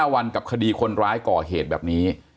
วันกับคดีคนร้ายก่อเหตุแบบนี้